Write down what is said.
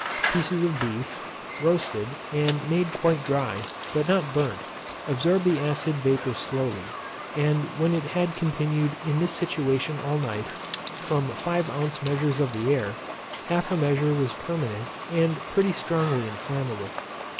Pieces of beef, roasted, and made quite dry, but not burnt, absorbed the acid vapour slowly; and when it had continued in this situation all night, from five ounce measures of the air, half a measure was permanent, and pretty strongly inflammable.